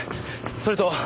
それと。